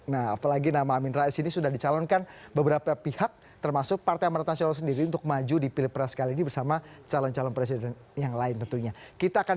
nah apalagi nama amin rais ini sudah dicalonkan beberapa pihak termasuk partai amarat nasional sendiri untuk maju di pilpres kali ini bersama calon calon presiden yang lain tentunya